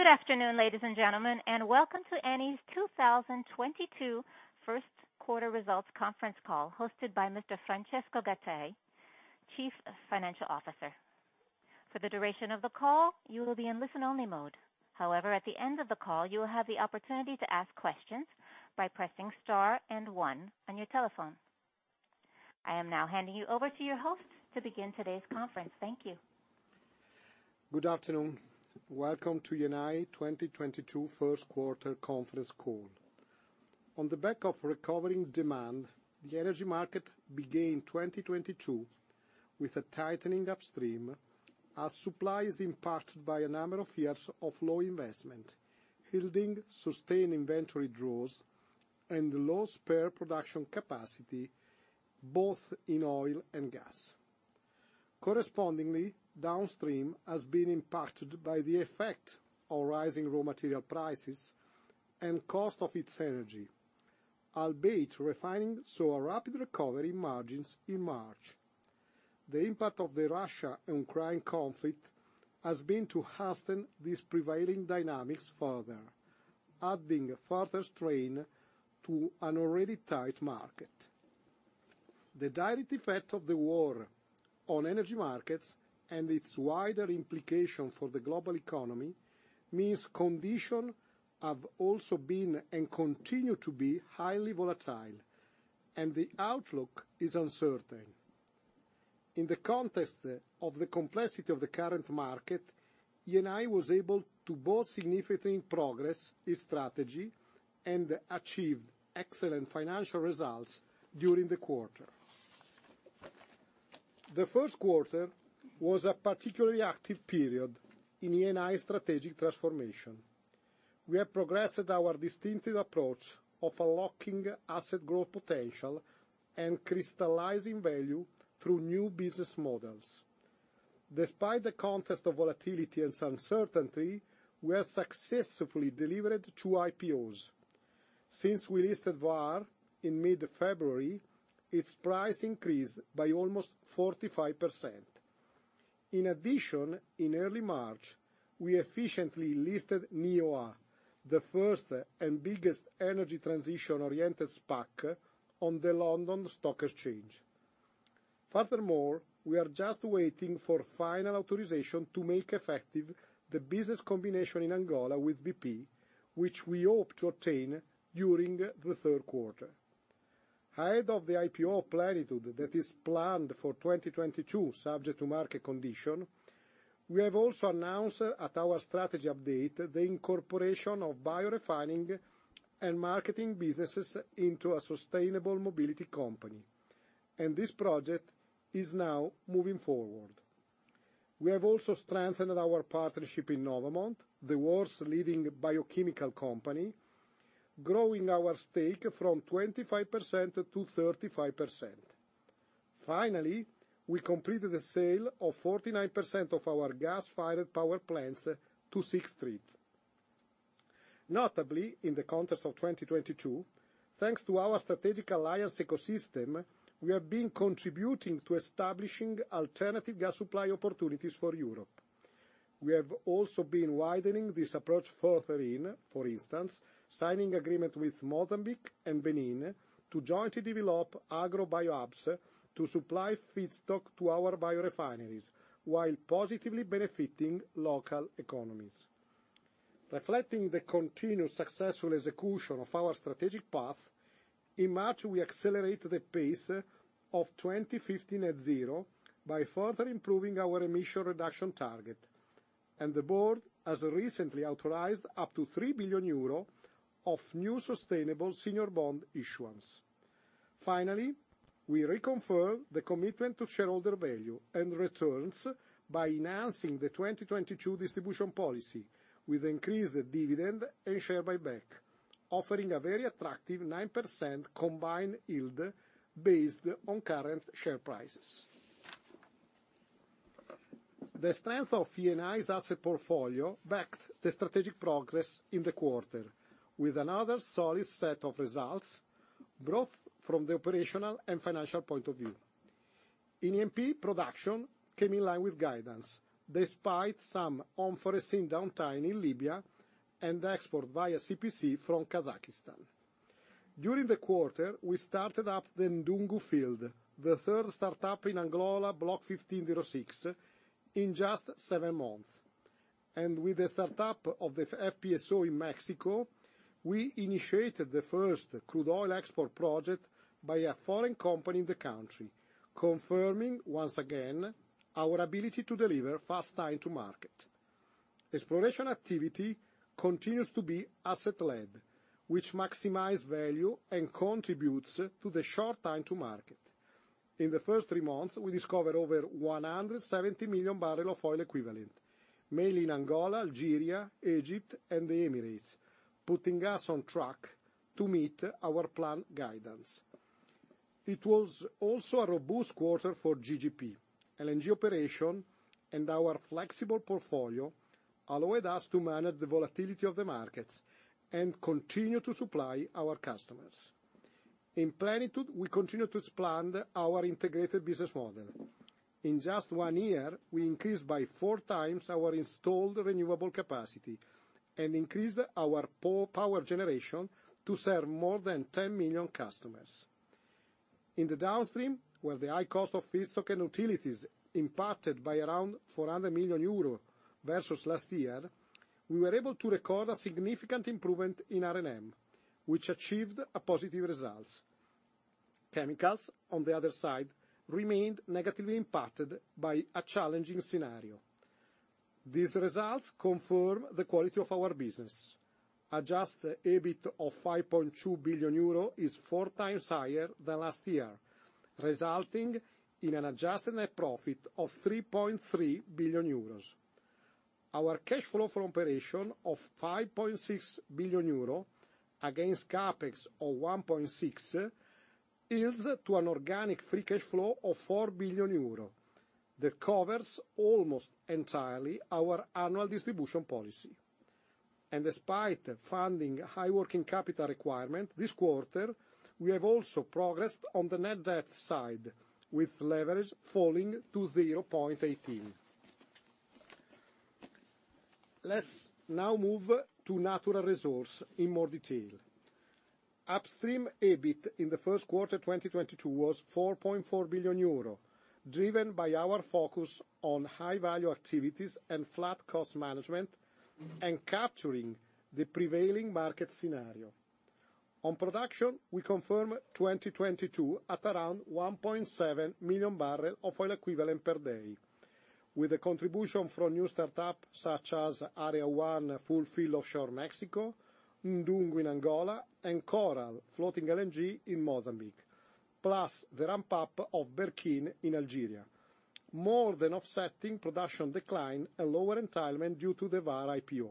Good afternoon, ladies and gentlemen, and welcome to Eni's 2022 first quarter results conference call hosted by Mr. Francesco Gattei, Chief Financial Officer. For the duration of the call, you will be in listen-only mode. However, at the end of the call, you will have the opportunity to ask questions by pressing star and one on your telephone. I am now handing you over to your host to begin today's conference. Thank you. Good afternoon. Welcome to Eni 2022 first quarter conference call. On the back of recovering demand, the energy market began 2022 with a tightening upstream as supply is impacted by a number of years of low investment, yielding sustained inventory draws, and low spare production capacity both in oil and gas. Correspondingly, downstream has been impacted by the effect of rising raw material prices and cost of its energy, albeit refining saw a rapid recovery in margins in March. The impact of the Russia and Ukraine conflict has been to hasten these prevailing dynamics further, adding further strain to an already tight market. The direct effect of the war on energy markets and its wider implication for the global economy means conditions have also been, and continue to be, highly volatile, and the outlook is uncertain. In the context of the complexity of the current market, Eni was able to both significantly progress its strategy and achieve excellent financial results during the quarter. The first quarter was a particularly active period in Eni's strategic transformation. We have progressed our distinctive approach of unlocking asset growth potential and crystallizing value through new business models. Despite the context of volatility and some uncertainty, we have successfully delivered two IPOs. Since we listed Vår Energi in mid-February, its price increased by almost 45%. In addition, in early March, we efficiently listed NEOA, the first and biggest energy transition-oriented SPAC on the London Stock Exchange. Furthermore, we are just waiting for final authorization to make effective the business combination in Angola with BP, which we hope to obtain during the third quarter. Ahead of the IPO of Plenitude that is planned for 2022, subject to market condition, we have also announced at our strategy update the incorporation of biorefining and marketing businesses into a sustainable mobility company, and this project is now moving forward. We have also strengthened our partnership in Novamont, the world's leading biochemical company, growing our stake from 25% to 35%. Finally, we completed the sale of 49% of our gas-fired power plants to Sixth Street. Notably, in the context of 2022, thanks to our strategic alliance ecosystem, we have been contributing to establishing alternative gas supply opportunities for Europe. We have also been widening this approach further in, for instance, signing agreement with Mozambique and Benin to jointly develop agro bio-hubs to supply feedstock to our biorefineries while positively benefiting local economies. Reflecting the continuous successful execution of our strategic path, in March, we accelerated the pace of 2050 net zero by further improving our emission reduction target, and the board has recently authorized up to 3 billion euro of new sustainable senior bond issuance. Finally, we reconfirm the commitment to shareholder value and returns by enhancing the 2022 distribution policy with increased dividend and share buyback, offering a very attractive 9% combined yield based on current share prices. The strength of Eni's asset portfolio backed the strategic progress in the quarter with another solid set of results, both from the operational and financial point of view. In E&P, production came in line with guidance, despite some unforeseen downtime in Libya and export via CPC from Kazakhstan. During the quarter, we started up the Ndungu field, the third startup in Angola Block 15/06, in just seven months. With the startup of the FPSO in Mexico, we initiated the first crude oil export project by a foreign company in the country, confirming once again our ability to deliver fast time to market. Exploration activity continues to be asset-led, which maximize value and contributes to the short time to market. In the first three months, we discovered over 170 million barrels of oil equivalent, mainly in Angola, Algeria, Egypt, and the Emirates, putting us on track to meet our planned guidance. It was also a robust quarter for GGP. LNG operation and our flexible portfolio allowed us to manage the volatility of the markets and continue to supply our customers. In Plenitude, we continue to expand our integrated business model. In just one year, we increased by four times our installed renewable capacity and increased our power generation to serve more than 10 million customers. In the downstream, where the high cost of feedstock and utilities impacted by around 400 million euros versus last year, we were able to record a significant improvement in R&M, which achieved a positive result. Chemicals, on the other side, remained negatively impacted by a challenging scenario. These results confirm the quality of our business. Adjusted EBIT of 5.2 billion euro is four times higher than last year, resulting in an adjusted net profit of 3.3 billion euros. Our cash flow from operation of 5.6 billion euro against CapEx of 1.6 billion yields to an organic free cash flow of 4 billion euro. That covers almost entirely our annual distribution policy. Despite funding high working capital requirement this quarter, we have also progressed on the net debt side, with leverage falling to 0.18. Let's now move to natural resources in more detail. Upstream EBIT in the first quarter 2022 was 4.4 billion euro, driven by our focus on high-value activities and flat cost management and capturing the prevailing market scenario. On production, we confirm 2022 at around 1.7 million barrels of oil equivalent per day, with a contribution from new startup such as Area 1 Full Field Offshore Mexico, Ndungu in Angola, and Coral Sul FLNG in Mozambique, plus the ramp-up of Berkine in Algeria, more than offsetting production decline and lower entitlement due to the Vår IPO.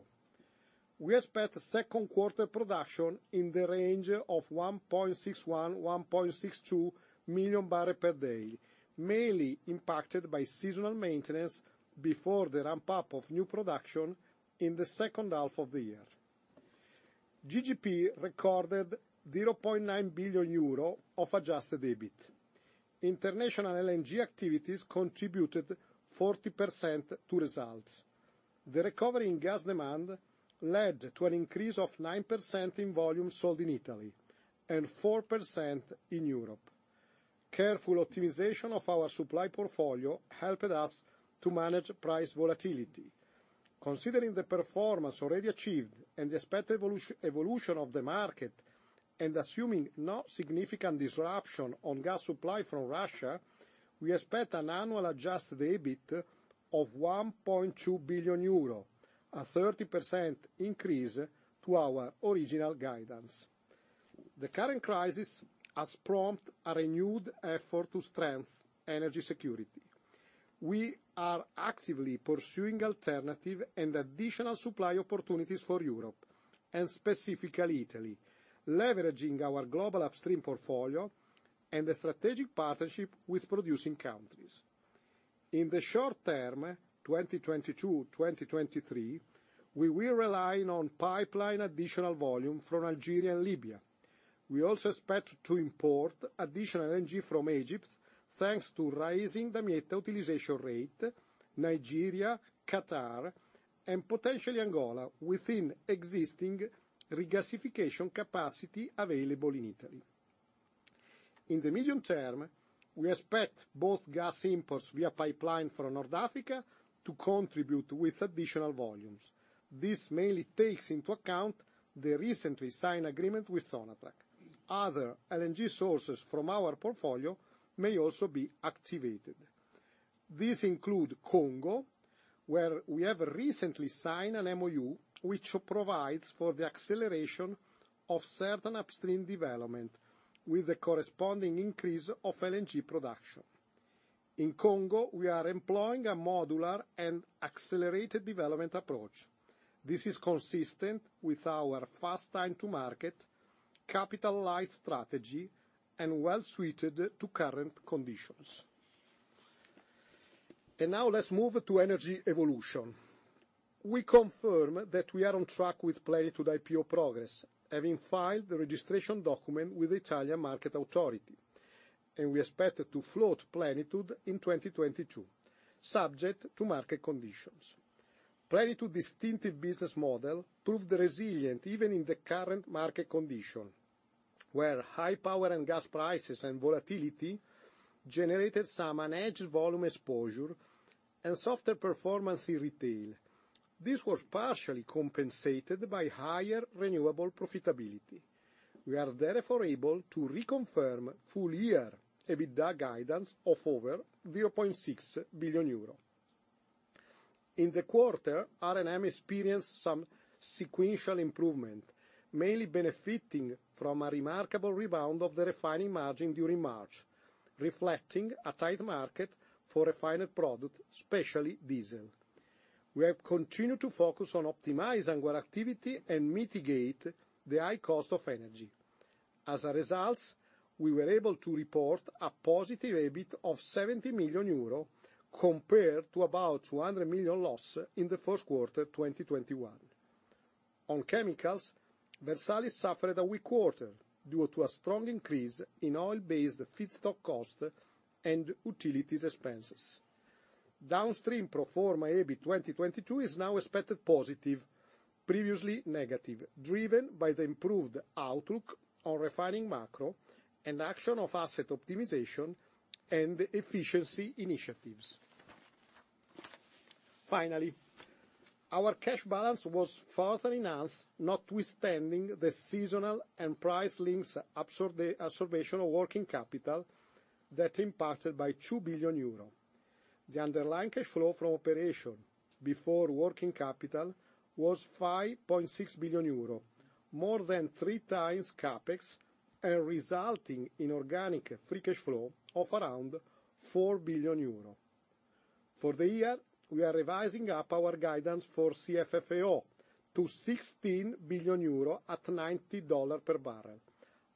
We expect second quarter production in the range of 1.61-1.62 million barrels per day, mainly impacted by seasonal maintenance before the ramp-up of new production in the second half of the year. GGP recorded 0.9 billion euro of adjusted EBIT. International LNG activities contributed 40% to results. The recovery in gas demand led to an increase of 9% in volume sold in Italy and 4% in Europe. Careful optimization of our supply portfolio helped us to manage price volatility. Considering the performance already achieved and the expected evolution of the market and assuming no significant disruption on gas supply from Russia, we expect an annual adjusted EBIT of 1.2 billion euro, a 30% increase to our original guidance. The current crisis has prompted a renewed effort to strengthen energy security. We are actively pursuing alternative and additional supply opportunities for Europe and specifically Italy, leveraging our global upstream portfolio and a strategic partnership with producing countries. In the short term, 2022, 2023, we will rely on pipeline additional volume from Algeria and Libya. We also expect to import additional LNG from Egypt, thanks to raising the maximum utilization rate, Nigeria, Qatar, and potentially Angola within existing regasification capacity available in Italy. In the medium term, we expect both gas imports via pipeline from North Africa to contribute with additional volumes. This mainly takes into account the recently signed agreement with SONATRACH. Other LNG sources from our portfolio may also be activated. These include Congo, where we have recently signed an MoU which provides for the acceleration of certain upstream development with a corresponding increase of LNG production. In Congo, we are employing a modular and accelerated development approach. This is consistent with our fast time to market, capital light strategy, and well suited to current conditions. Now let's move to energy evolution. We confirm that we are on track with Plenitude IPO progress, having filed the registration document with Italian market authority, and we expect to float Plenitude in 2022, subject to market conditions. Plenitude distinctive business model proved resilient even in the current market condition, where high power and gas prices and volatility generated some unhedged volume exposure and softer performance in retail. This was partially compensated by higher renewable profitability. We are therefore able to reconfirm full year EBITDA guidance of over 0.6 billion euro. In the quarter, R&M experienced some sequential improvement, mainly benefiting from a remarkable rebound of the refining margin during March, reflecting a tight market for refined product, especially diesel. We have continued to focus on optimizing our activity and mitigate the high cost of energy. As a result, we were able to report a positive EBIT of 70 million euro compared to about 200 million loss in the first quarter 2021. On chemicals, Versalis suffered a weak quarter due to a strong increase in oil-based feedstock cost and utilities expenses. Downstream pro forma EBITDA 2022 is now expected positive, previously negative, driven by the improved outlook on refining macro and action of asset optimization and efficiency initiatives. Finally, our cash balance was further enhanced notwithstanding the seasonal and price-linked absorption of working capital that impacted by 2 billion euro. The underlying cash flow from operations before working capital was 5.6 billion euro, more than three times CapEx and resulting in organic free cash flow of around 4 billion euro. For the year, we are revising up our guidance for CFFO to 16 billion euro at $90 per barrel,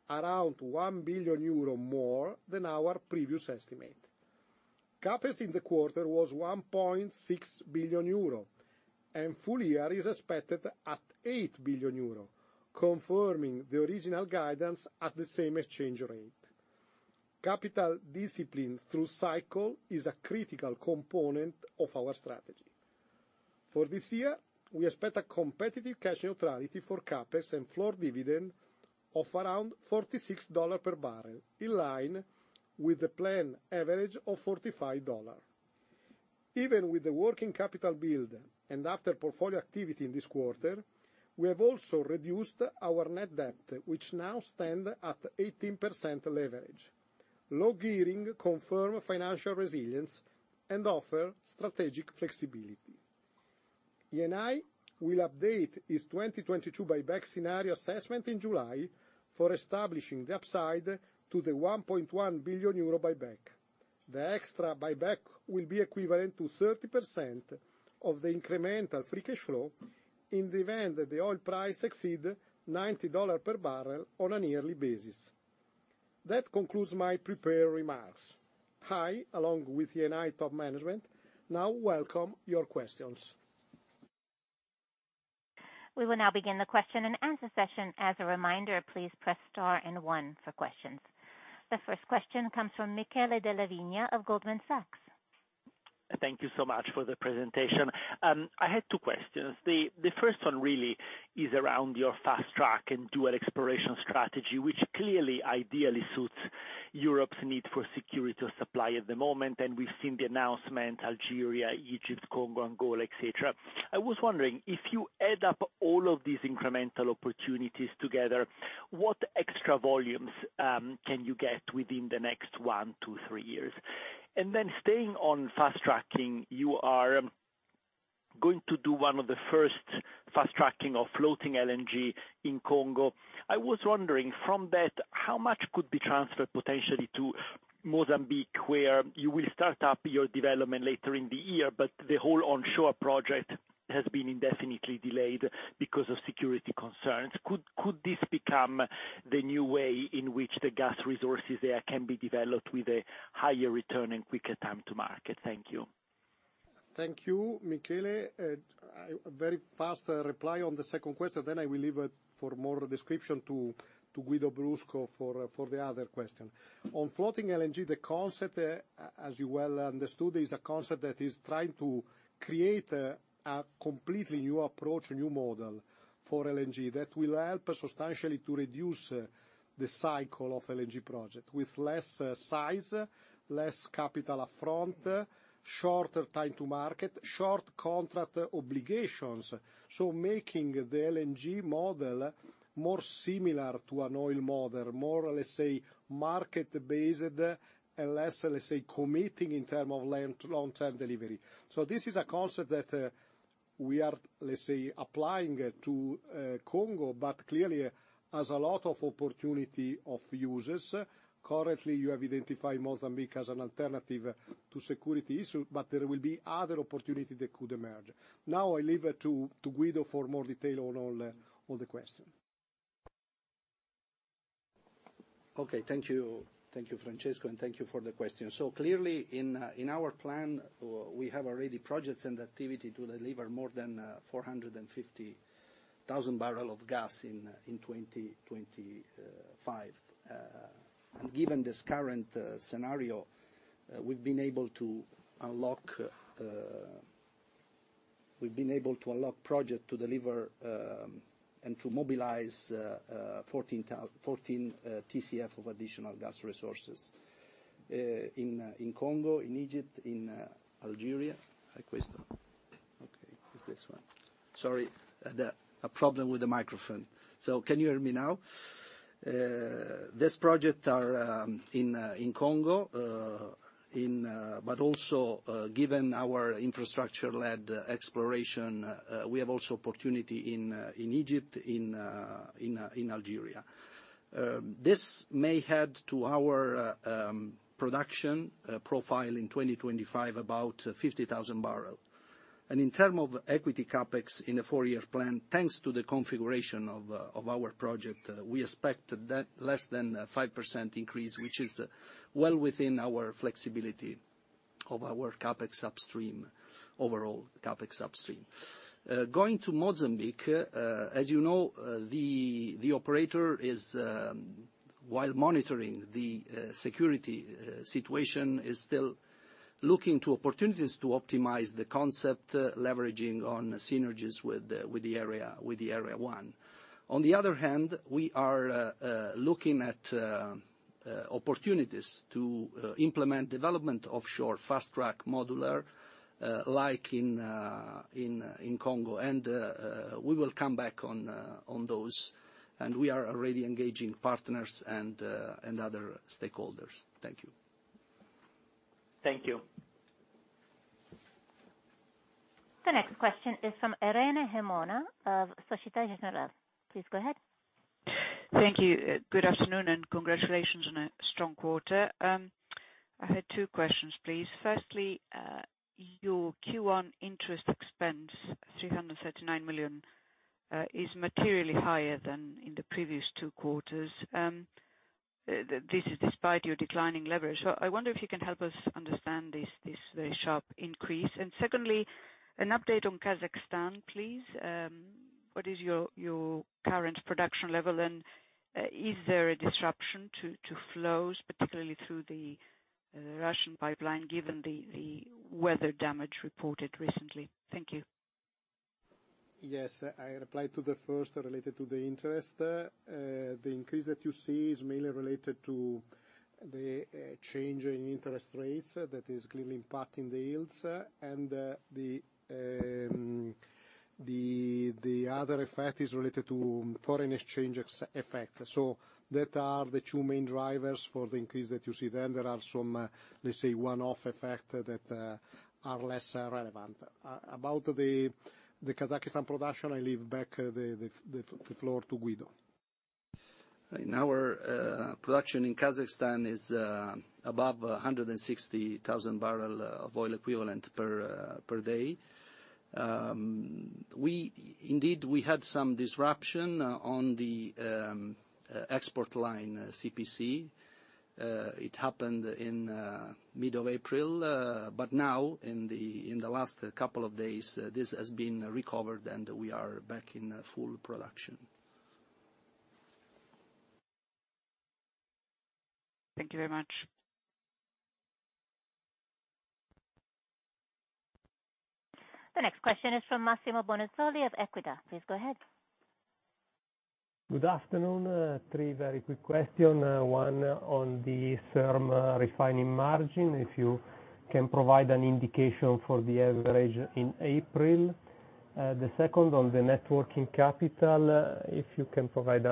around 1 billion euro more than our previous estimate. CapEx in the quarter was 1.6 billion euro and full year is expected at 8 billion euro, confirming the original guidance at the same exchange rate. Capital discipline through cycle is a critical component of our strategy. For this year, we expect a competitive cash neutrality for CapEx and floor dividend of around $46 per barrel, in line with the plan average of $45. Even with the working capital build and after portfolio activity in this quarter, we have also reduced our net debt, which now stand at 18% leverage. Low gearing confirm financial resilience and offer strategic flexibility. Eni will update its 2022 buyback scenario assessment in July for establishing the upside to the 1.1 billion euro buyback. The extra buyback will be equivalent to 30% of the incremental free cash flow in the event that the oil price exceed $90 per barrel on a yearly basis. That concludes my prepared remarks. I, along with Eni top management now welcome your questions. We will now begin the question and answer session. As a reminder, please press star and one for questions. The first question comes from Michele Della Vigna of Goldman Sachs. Thank you so much for the presentation. I had two questions. The first one really is around your fast track and dual exploration strategy, which clearly ideally suits Europe's need for security of supply at the moment, and we've seen the announcement, Algeria, Egypt, Congo, Angola, et cetera. I was wondering if you add up all of these incremental opportunities together, what extra volumes can you get within the next one to three years? Staying on fast tracking, you are going to do one of the first fast tracking of floating LNG in Congo. I was wondering from that, how much could be transferred potentially to Mozambique, where you will start up your development later in the year, but the whole onshore project has been indefinitely delayed because of security concerns. Could this become the new way in which the gas resources there can be developed with a higher return and quicker time to market? Thank you. Thank you, Michele. A very fast reply on the second question. I will leave it for more description to Guido Brusco for the other question. On floating LNG, the concept, as you well understood, is a concept that is trying to create a completely new approach, a new model for LNG that will help substantially to reduce the cycle of LNG project with less size, less capital upfront, shorter time to market, short contract obligations. Making the LNG model more similar to an oil model, more, let's say, market-based and less, let's say, committing in terms of long-term delivery. This is a concept that we are, let's say, applying to Congo, but clearly has a lot of opportunities for users. Currently, you have identified Mozambique as an alternative to security issue, but there will be other opportunity that could emerge. Now I leave it to Guido for more detail on all the question. Okay. Thank you. Thank you, Francesco, and thank you for the question. Clearly in our plan, we have already projects and activity to deliver more than 450,000 barrel of gas in 2025. Given this current scenario, we've been able to unlock projects to deliver and to mobilize 14 TCF of additional gas resources in Congo, in Egypt, in Algeria. Okay. It's this one. Sorry, there's a problem with the microphone. Can you hear me now? This project are in Congo, but also, given our infrastructure-led exploration, we have also opportunity in Egypt, in Algeria. This may add to our production profile in 2025 about 50,000 barrel. In terms of equity CapEx in the four-year plan, thanks to the configuration of our project, we expect that less than a 5% increase, which is well within our flexibility. Of our CapEx upstream overall. Going to Mozambique, as you know, the operator is, while monitoring the security situation, still looking to opportunities to optimize the concept, leveraging on synergies with the area, with Area 1. On the other hand, we are looking at opportunities to implement development offshore fast-track modular, like in Congo. We will come back on those. We are already engaging partners and other stakeholders. Thank you. Thank you. The next question is from Irene Himona of Société Générale. Please go ahead. Thank you. Good afternoon, and congratulations on a strong quarter. I had two questions, please. Firstly, your Q1 interest expense, 339 million, is materially higher than in the previous two quarters. This is despite your declining leverage. I wonder if you can help us understand this very sharp increase. Secondly, an update on Kazakhstan, please. What is your current production level? And is there a disruption to flows, particularly through the Russian pipeline, given the weather damage reported recently? Thank you. Yes. I reply to the first related to the interest. The increase that you see is mainly related to the change in interest rates, that is clearly impacting the yields. The other effect is related to foreign exchange effect. Those are the two main drivers for the increase that you see. There are some, let's say, one-off effects that are less relevant. About the Kazakhstan production, I hand back the floor to Guido. Our production in Kazakhstan is above 160,000 barrels of oil equivalent per day. We indeed had some disruption on the export line, CPC. It happened in mid-April. Now in the last couple of days, this has been recovered, and we are back in full production. Thank you very much. The next question is from Massimo Bonisoli of Equita. Please go ahead. Good afternoon. Three very quick question. One on the SERM refining margin, if you can provide an indication for the average in April. The second on the net working capital, if you can provide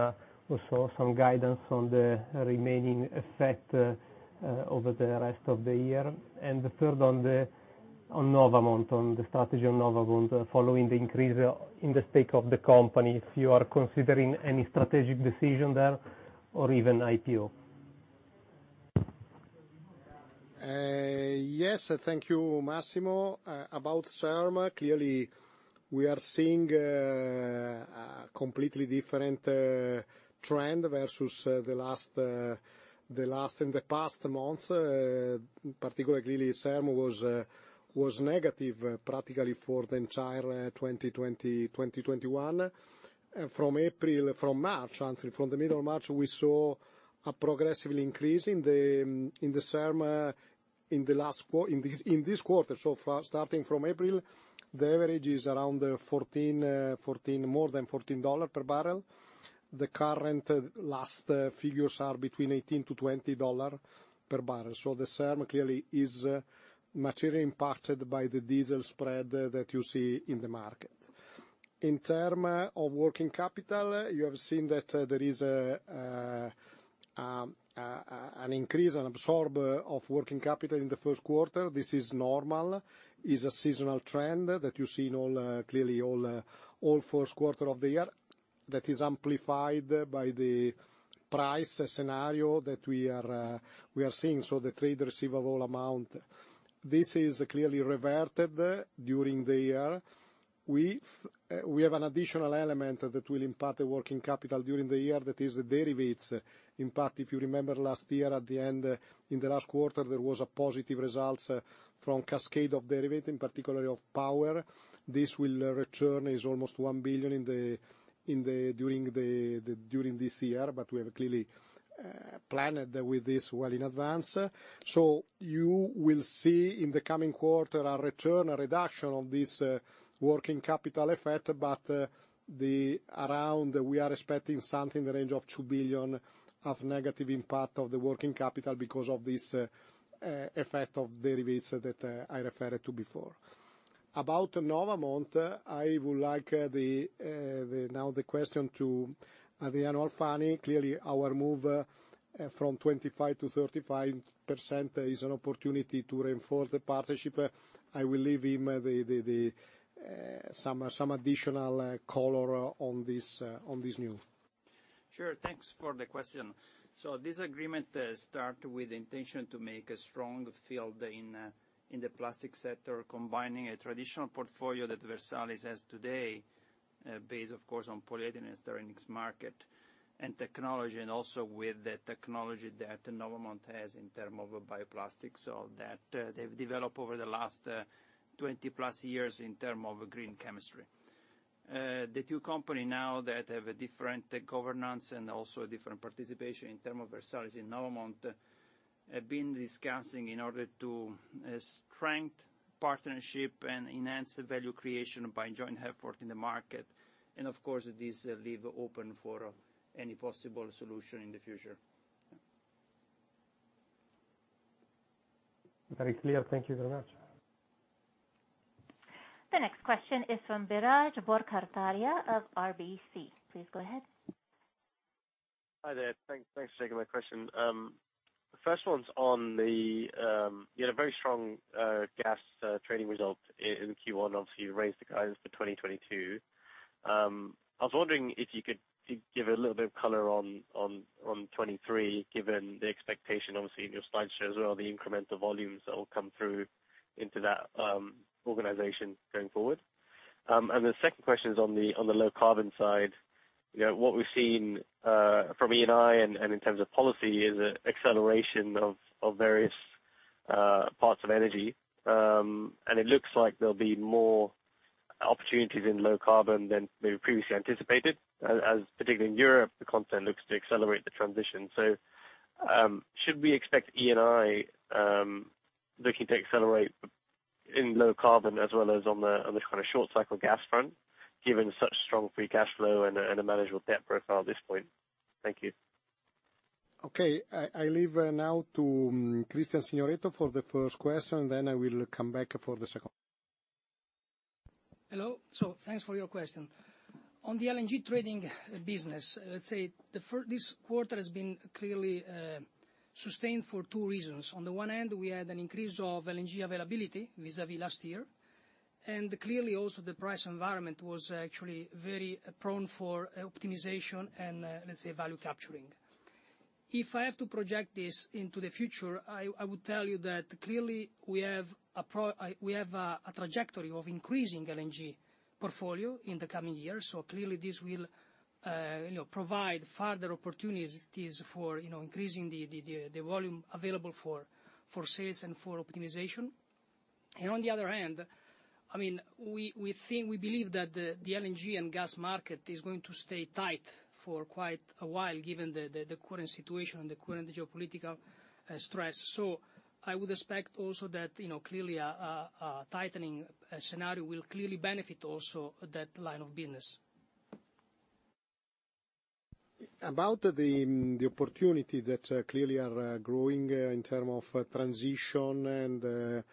also some guidance on the remaining effect over the rest of the year. The third on Novamont, on the strategy on Novamont, following the increase in the stake of the company, if you are considering any strategic decision there or even IPO. Yes. Thank you, Massimo. About SERM, clearly, we are seeing a completely different trend versus the last and the past month. Particularly SERM was negative practically for the entire 2020, 2021. From March, actually, from the middle of March, we saw a progressive increase in the SERM in this quarter. So far, starting from April, the average is around 14, more than $14 per barrel. The current last figures are between $18-$20 per barrel. The SERM clearly is materially impacted by the diesel spread that you see in the market. In terms of working capital, you have seen that there is an increase and absorption of working capital in the first quarter. This is normal. It's a seasonal trend that you see in all first quarters of the year that is amplified by the price scenario that we are seeing. The trade receivables amount. This is clearly reversed during the year. We have an additional element that will impact the working capital during the year. That is the derivatives. In fact, if you remember last year at the end, in the last quarter, there was a positive result from the cascade of derivatives, in particular of power. This is almost 1 billion during this year, but we have clearly planned with this well in advance. You will see in the coming quarter a return, a reduction of this working capital effect. The amount we are expecting is something in the range of 2 billion of negative impact on the working capital because of this effect of derivatives that I referred to before. About Novamont, I would like the question to Adriano Alfani. Clearly, our move from 25% to 35% is an opportunity to reinforce the partnership. I will leave him some additional color on this new. This agreement starts with the intention to make a strong foothold in the plastics sector, combining a traditional portfolio that Versalis has today. Based, of course, on polyethylene and styrene's market and technology, and also with the technology that Novamont has in terms of bioplastics, so that they've developed over the last 20+ years in terms of green chemistry. The two companies now that have a different governance and also a different participation in terms of Versalis and Novamont, have been discussing in order to strengthen partnership and enhance the value creation by joint effort in the market. Of course, this leaves open for any possible solution in the future. Very clear. Thank you very much. The next question is from Biraj Borkhataria of RBC. Please go ahead. Hi there. Thanks for taking my question. The first one's on the you had a very strong gas trading result in Q1. Obviously you raised the guidance for 2022. I was wondering if you could give a little bit of color on 2023, given the expectation, obviously in your slideshow as well, the incremental volumes that will come through into that organization going forward. The second question is on the low carbon side. You know, what we've seen from Eni and in terms of policy is an acceleration of various parts of energy. It looks like there'll be more opportunities in low carbon than maybe previously anticipated as particularly in Europe, the continent looks to accelerate the transition. Should we expect Eni looking to accelerate in low carbon as well as on the kind of short cycle gas front, given such strong free cash flow and a manageable debt profile at this point? Thank you. Okay. I leave now to Cristian Signoretto for the first question, then I will come back for the second. Hello. Thanks for your question. On the LNG trading business, let's say this quarter has been clearly sustained for two reasons. On the one end, we had an increase of LNG availability vis-a-vis last year. Clearly also the price environment was actually very prone for optimization and let's say value capturing. If I have to project this into the future, I would tell you that clearly we have a trajectory of increasing LNG portfolio in the coming years. Clearly this will you know provide further opportunities for you know increasing the volume available for sales and for optimization. On the other hand, I mean, we believe that the LNG and gas market is going to stay tight for quite a while, given the current situation and the current geopolitical stress. I would expect also that, you know, clearly a tightening scenario will clearly benefit also that line of business. About the opportunity that clearly are growing in terms of transition and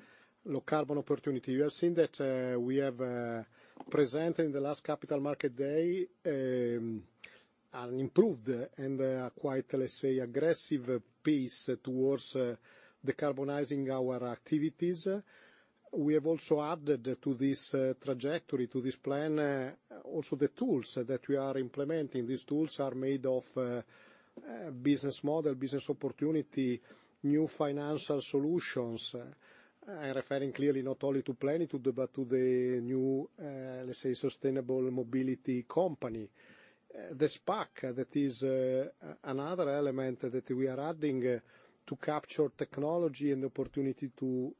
low carbon opportunity. You have seen that we have presented in the last Capital Markets Day an improved and a quite, let's say, aggressive pace towards decarbonizing our activities. We have also added to this trajectory, to this plan also the tools that we are implementing. These tools are made of business model, business opportunity, new financial solutions referring clearly not only to Plenitude but to the new, let's say sustainable mobility company. The SPAC that is another element that we are adding to capture technology and opportunity to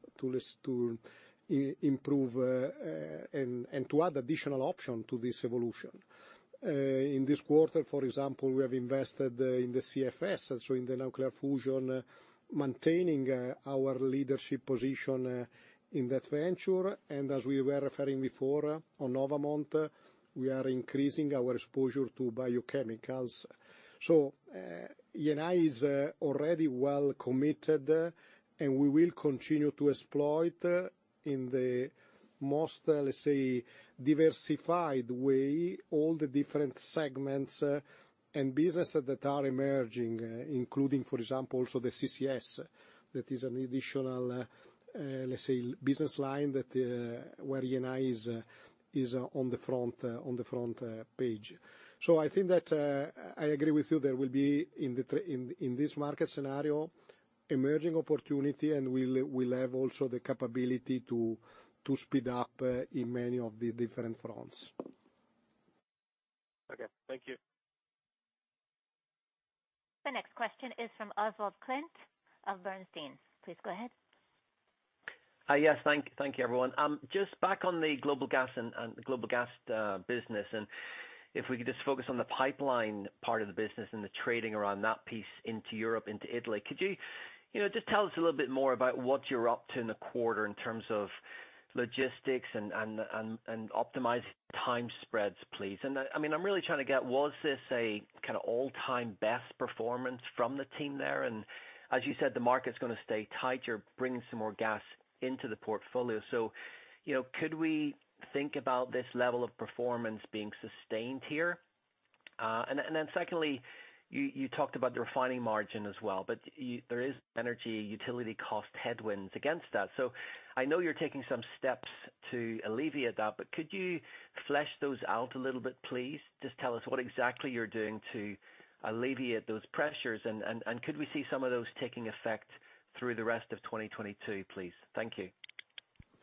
improve and to add additional option to this evolution. In this quarter, for example, we have invested in the CFS, and so in the nuclear fusion, maintaining our leadership position in that venture. As we were referring before on Novamont, we are increasing our exposure to biochemicals. Eni is already well committed, and we will continue to exploit in the most, let's say, diversified way, all the different segments and business that are emerging, including, for example, also the CCS. That is an additional, let's say, business line that where Eni is on the front page. I think that I agree with you. There will be in this market scenario, emerging opportunity, and we'll have also the capability to speed up in many of the different fronts. Okay. Thank you. The next question is from Oswald Clint of Bernstein. Please go ahead. Yes. Thank you, everyone. Just back on the global gas business, and if we could just focus on the pipeline part of the business and the trading around that piece into Europe, into Italy. Could you know, just tell us a little bit more about what you're up to in the quarter in terms of logistics and optimizing time spreads, please? I mean, I'm really trying to get, was this a kinda all-time best performance from the team there? As you said, the market's gonna stay tight. You're bringing some more gas into the portfolio. You know, could we think about this level of performance being sustained here? Then secondly, you talked about the refining margin as well, but there is energy utility cost headwinds against that. I know you're taking some steps to alleviate that, but could you flesh those out a little bit, please? Just tell us what exactly you're doing to alleviate those pressures, and could we see some of those taking effect through the rest of 2022, please? Thank you.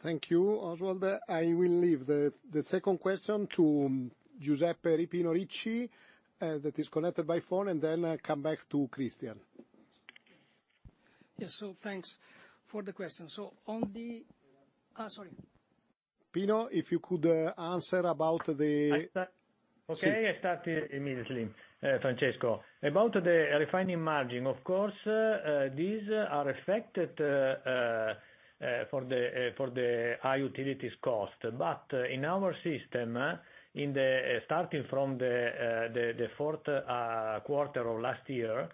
Thank you, Oswald. I will leave the second question to Giuseppe "Pino" Ricci, that is connected by phone, and then come back to Cristian. Yes. Thanks for the question. Sorry. Pino, if you could, answer about the. I start. I start immediately, Francesco. About the refining margin, of course, these are affected for the high utilities cost. In our system, starting from the fourth quarter of last year,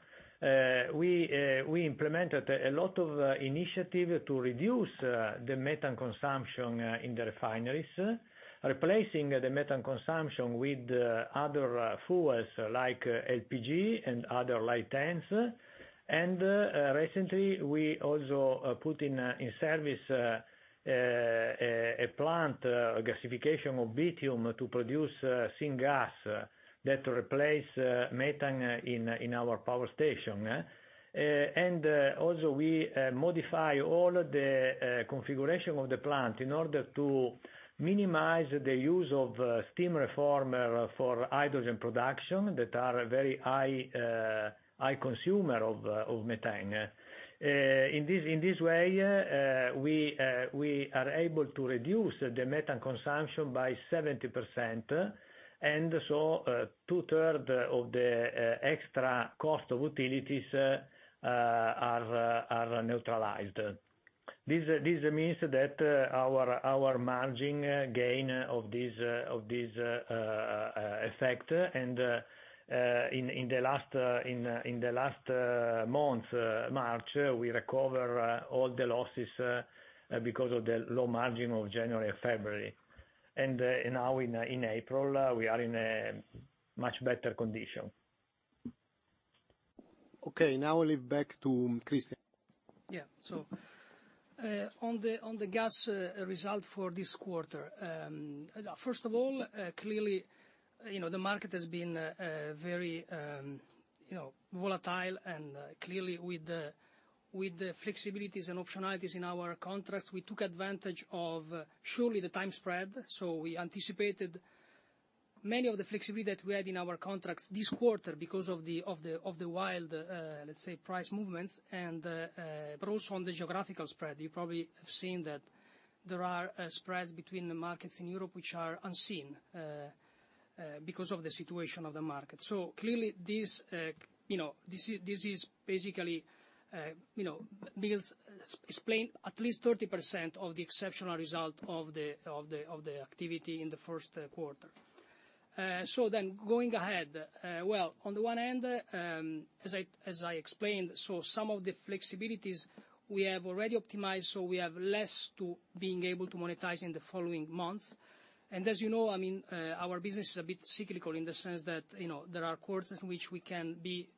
we implemented a lot of initiative to reduce the methane consumption in the refineries. Replacing the methane consumption with other fuels, like LPG and other lightends. Recently we also put in service a plant gasification of bitumen to produce syngas, that replace methane in our power station. Also we modify all of the configuration of the plant in order to minimize the use of steam reformer for hydrogen production that are very high consumer of methane. In this way, we are able to reduce the methane consumption by 70%. Two-thirds of the extra cost of utilities are neutralized. This means that our margin gain of this effect, in the last month, March, we recover all the losses because of the low margin of January and February. Now in April, we are in a much better condition. Okay, now I'll leave back to Cristian. On the gas result for this quarter. First of all, clearly, you know, the market has been very, you know, volatile and clearly with the flexibilities and optionalities in our contracts, we took advantage of surely the time spread. We anticipated many of the flexibility that we had in our contracts this quarter because of the wild, let's say, price movements and but also on the geographical spread. You probably have seen that there are spreads between the markets in Europe which are unseen because of the situation of the market. Clearly this, you know, this is basically, you know, this explain at least 30% of the exceptional result of the activity in the first quarter. Going ahead, well, on the one end, as I explained, some of the flexibilities we have already optimized, so we have less to be able to monetize in the following months. As you know, I mean, our business is a bit cyclical in the sense that, you know, there are quarters in which we can be,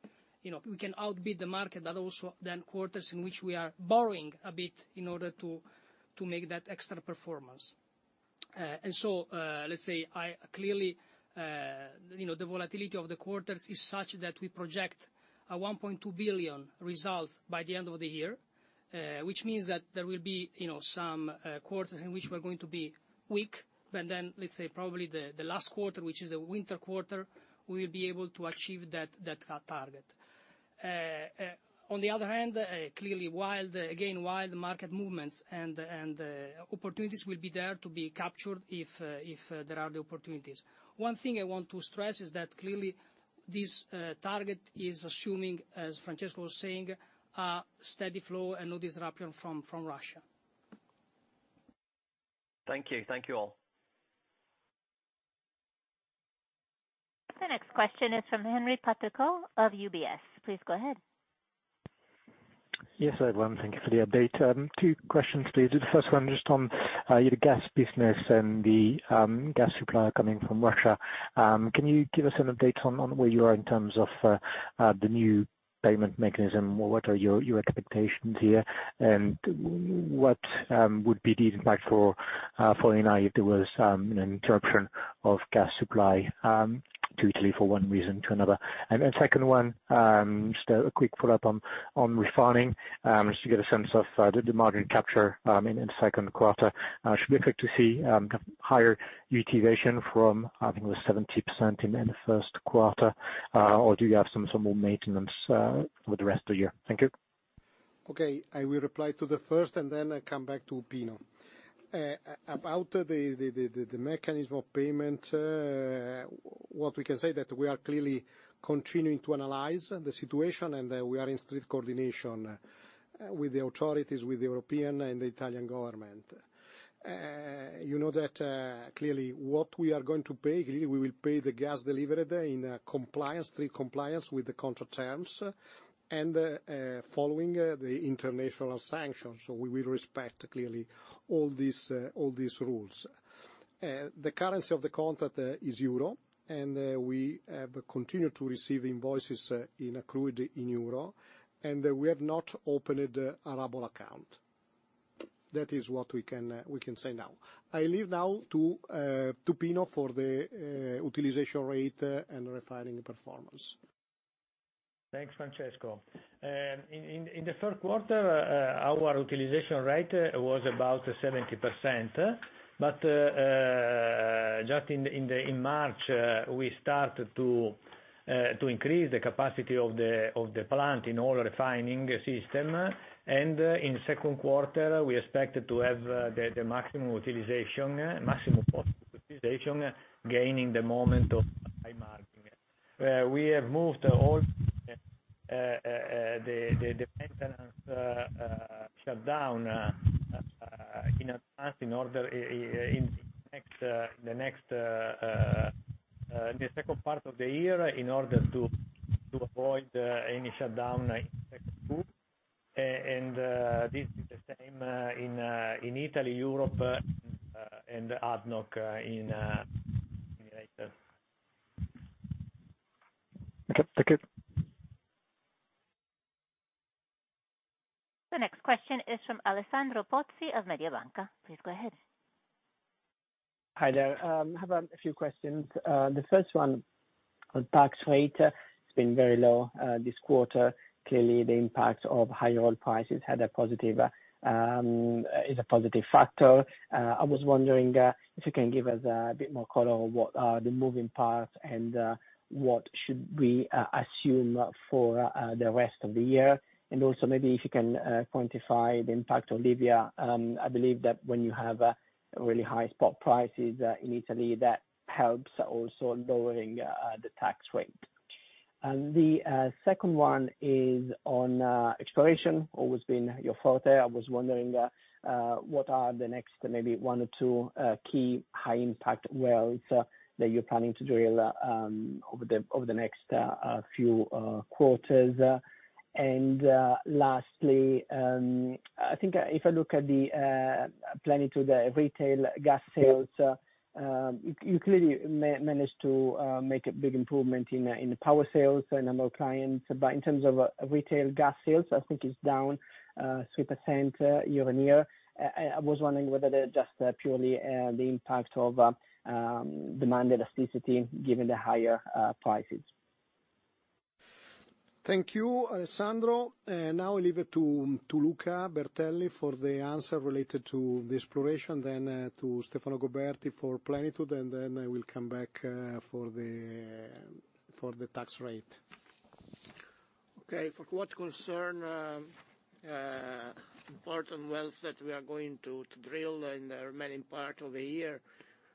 you know, we can outperform the market, but also then quarters in which we are borrowing a bit in order to make that extra performance. The volatility of the quarters is such that we project 1.2 billion results by the end of the year. which means that there will be, you know, some quarters in which we're going to be weak, but then let's say probably the last quarter, which is a winter quarter, we'll be able to achieve that target. On the other hand, clearly, while, again, while the market movements and opportunities will be there to be captured if there are the opportunities. One thing I want to stress is that clearly this target is assuming, as Francesco was saying, a steady flow and no disruption from Russia. Thank you. Thank you all. The next question is from Henri Patricot of UBS. Please go ahead. Yes, everyone, thank you for the update. Two questions, please. The first one just on your gas business and the gas supply coming from Russia. Can you give us an update on where you are in terms of the new payment mechanism? What are your expectations here? What would be the impact for Eni if there was an interruption of gas supply to Italy for one reason or another? Then second one, just a quick follow-up on refining, just to get a sense of the margin capture in second quarter. Should we expect to see higher utilization from, I think it was 70% in the first quarter? Or do you have some more maintenance for the rest of the year? Thank you. Okay. I will reply to the first, and then I come back to Pino. About the mechanism of payment, what we can say that we are clearly continuing to analyze the situation and that we are in strict coordination with the authorities, with the European and the Italian government. You know that, clearly what we are going to pay, clearly we will pay the gas delivered in compliance, strict compliance with the contract terms. Following the international sanctions. We will respect clearly all these rules. The currency of the contract is euro, and we have continued to receive invoices accrued in euro. We have not opened a ruble account. That is what we can say now. I leave now to Pino for the utilization rate and refining performance. Thanks, Francesco. In the third quarter, our utilization rate was about 70%. But just in March, we started to increase the capacity of the plant in oil refining system. In second quarter, we expect to have the maximum utilization, maximum possible utilization, gaining the momentum of high margin. We have moved all the maintenance shutdown in order in the next the second part of the year in order to avoid any shutdown in second quarter. This is the same in Italy, Europe, and ADNOC in United. Okay. Thank you. The next question is from Alessandro Pozzi of Mediobanca. Please go ahead. Hi there. I have a few questions. The first one, tax rate, it's been very low this quarter. Clearly, the impact of higher oil prices is a positive factor. I was wondering if you can give us a bit more color on what are the moving parts and what should we assume for the rest of the year? Also maybe if you can quantify the impact of Libya. I believe that when you have really high spot prices in Italy, that helps also in lowering the tax rate. The second one is on exploration. Always been your forte. I was wondering what are the next maybe one or two key high impact wells that you're planning to drill over the next few quarters? Lastly, I think if I look at the Plenitude, the retail gas sales, you clearly managed to make a big improvement in the power sales, the number of clients. In terms of retail gas sales, I think it's down 3% year-on-year. I was wondering whether they're just purely the impact of demand elasticity given the higher prices. Thank you, Alessandro. Now I leave it to Luca Bertelli for the answer related to the exploration, then to Stefano Goberti for Plenitude, and then I will come back for the tax rate. Okay. For what concern important wells that we are going to to drill in the remaining part of the year,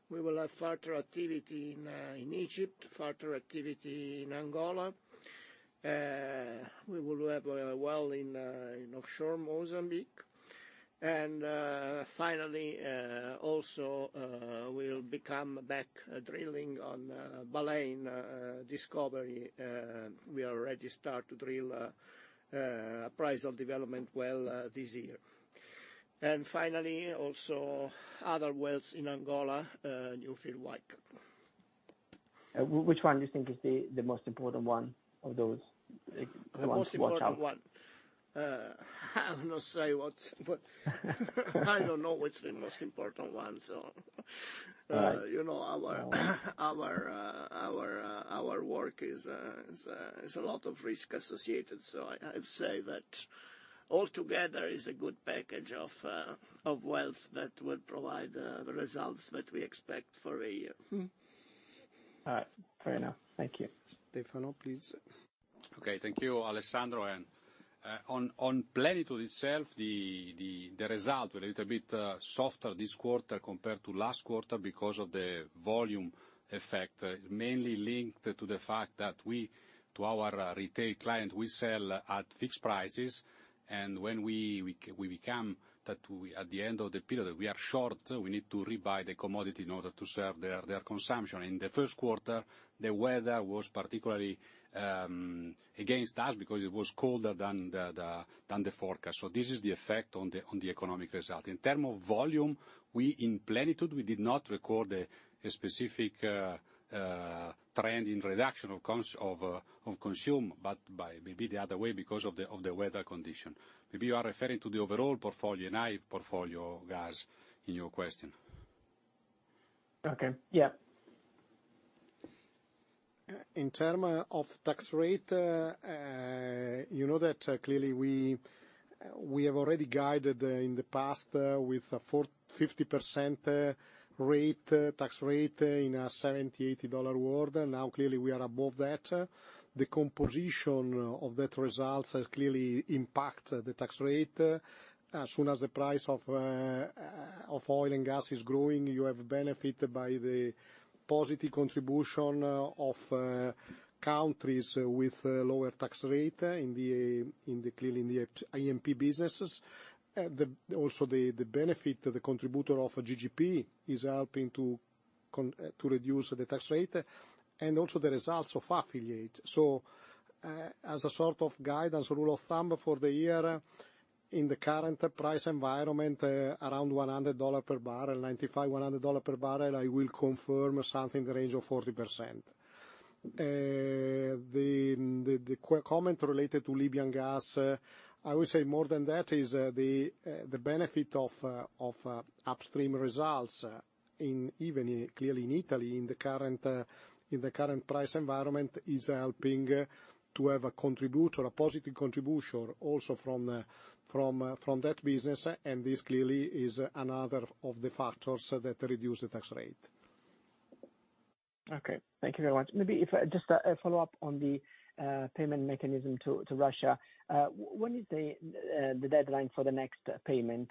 we will have further activity in Egypt, further activity in Angola. We will have a well in offshore Mozambique. Finally, also, we'll be coming back to drilling on Baleine discovery. We already start to drill first development well this year. Finally, also other wells in Angola, new field Ndungu. Which one you think is the most important one of those, the ones to watch out? The most important one. I will not say what, but I don't know what's the most important one, so. All right. You know, our work is a lot of risk associated, so I would say that altogether is a good package of wealth that will provide the results that we expect for a year. All right. Fair enough. Thank you. Stefano, please. Okay. Thank you, Alessandro. On Plenitude itself, the results were a little bit softer this quarter compared to last quarter because of the volume effect, mainly linked to the fact that we to our retail clients sell at fixed prices, and when we become short at the end of the period, we need to rebuy the commodity in order to serve their consumption. In the first quarter, the weather was particularly against us because it was colder than the forecast. This is the effect on the economic result. In terms of volume, in Plenitude, we did not record a specific trend in reduction of consumption, but maybe the other way because of the weather condition. Maybe you are referring to the overall portfolio, Eni portfolio gas in your question. Okay. Yeah. In terms of tax rate, you know that clearly we have already guided in the past with a 45% tax rate in a $70-$80 world. Now, clearly we are above that. The composition of that results has clearly impact the tax rate. As soon as the price of oil and gas is growing, you have benefit by the positive contribution of countries with lower tax rate in the E&P businesses. Also the benefit of the contribution of a GGP is helping to reduce the tax rate and also the results of affiliate. As a sort of guidance rule of thumb for the year in the current price environment, around $100 per barrel, $95-$100 per barrel, I will confirm something in the range of 40%. The comment related to Libyan gas, I would say more than that is the benefit of upstream results, in even clearly in Italy, in the current price environment is helping to have a contributor, a positive contribution also from that business. This clearly is another of the factors that reduce the tax rate. Okay. Thank you very much. Maybe just a follow-up on the payment mechanism to Russia. When is the deadline for the next payment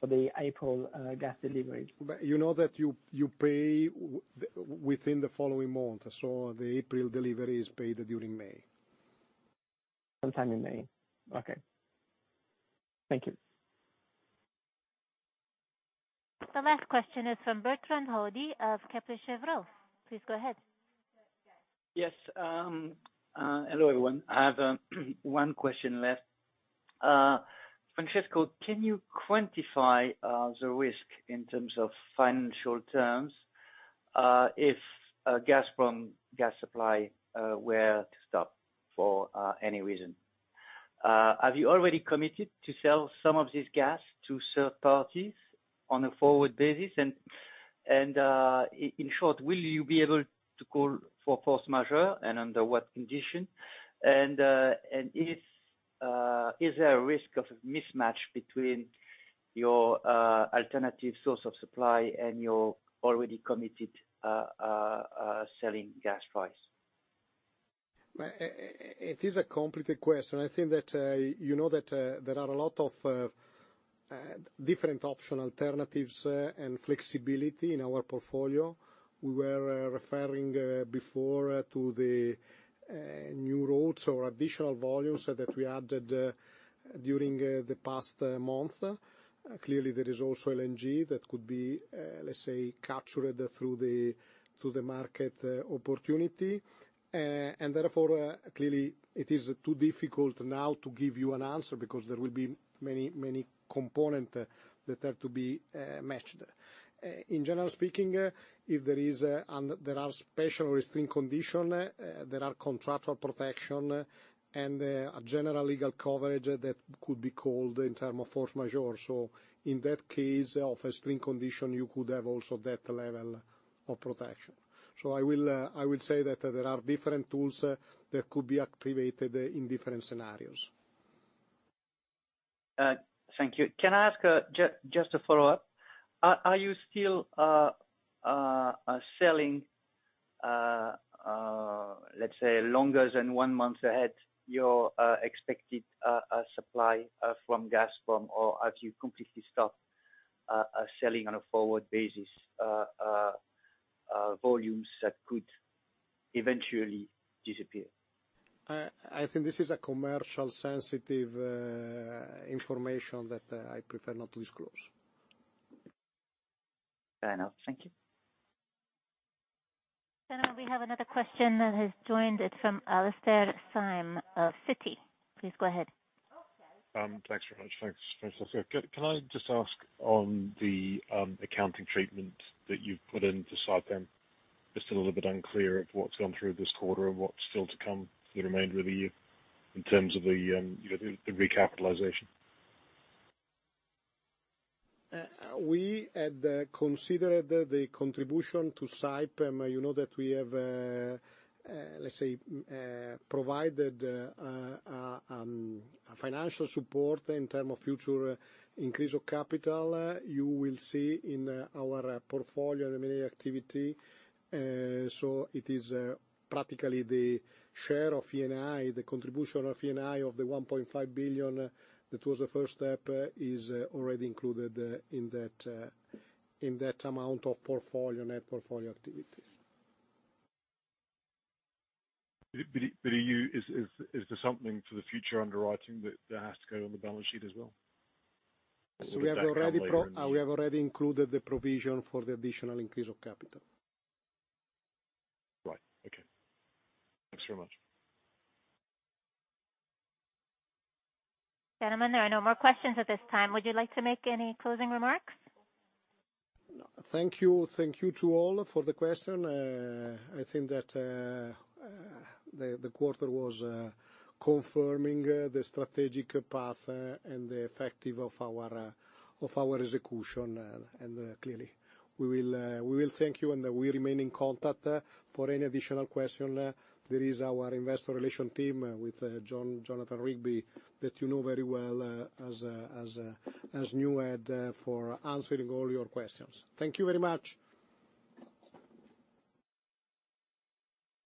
for the April gas delivery? You know that you pay within the following month, so the April delivery is paid during May. Sometime in May. Okay. Thank you. The last question is from Bertrand Hodée of Kepler Cheuvreux. Please go ahead. Yes. Hello, everyone. I have one question left. Francesco, can you quantify the risk in terms of financial terms, if gas from gas supply were to stop for any reason? Have you already committed to sell some of this gas to third parties on a forward basis? In short, will you be able to call for force majeure, and under what condition? If there is a risk of mismatch between your alternative source of supply and your already committed selling gas price? It is a complicated question. I think that, you know that, there are a lot of different options, alternatives, and flexibility in our portfolio. We were referring before to the new routes or additional volumes that we added during the past month. Clearly there is also LNG that could be, let's say, captured through the market opportunity. Therefore, clearly it is too difficult now to give you an answer because there will be many components that have to be matched. Generally speaking, if there are special or extreme conditions, there are contractual protections, and a general legal coverage that could be called in terms of force majeure. In that case of extreme condition, you could have also that level of protection. I would say that there are different tools that could be activated in different scenarios. Thank you. Can I ask, just a follow-up? Are you still selling, let's say, longer than one month ahead, your expected supply from Gazprom? Or have you completely stopped selling on a forward basis, volumes that could eventually disappear? I think this is commercially sensitive information that I prefer not to disclose. Fair enough. Thank you. We have another question that has joined. It's from Alastair Syme of Citi. Please go ahead. Thanks very much. Thanks, Francesco. Can I just ask on the accounting treatment that you've put into Saipem? Just a little bit unclear of what's gone through this quarter and what's still to come for the remainder of the year in terms of the, you know, the recapitalization. We had considered the contribution to Saipem. You know, that we have, let's say, financial support in terms of future increase of capital. You will see in our portfolio M&A activity. It is practically the share of Eni, the contribution of Eni of the 1.5 billion, that was the first step, is already included in that amount of portfolio net portfolio activity. Is there something for the future underwriting that has to go on the balance sheet as well? Would that come later in the- We have already included the provision for the additional increase of capital. Right. Okay. Thanks very much. Gentlemen, there are no more questions at this time. Would you like to make any closing remarks? Thank you. Thank you to all for the question. I think that the quarter was confirming the strategic path and the effectiveness of our execution. Clearly. We will thank you, and we remain in contact. For any additional question, there is our Investor Relations team with Jon Rigby, that you know very well, as new head for answering all your questions. Thank you very much.